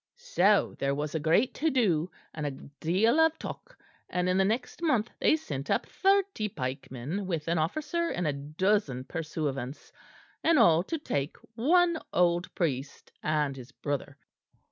"So there was a great to do, and a deal of talk; and in the next month they sent up thirty pikemen with an officer and a dozen pursuivants, and all to take one old priest and his brother.